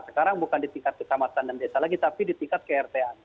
sekarang bukan di tingkat kecamatan dan desa lagi tapi di tingkat kerta